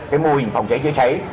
cái mô hình phòng cháy chữa cháy